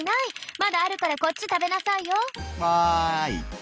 まだあるからこっち食べなさいよ。わい！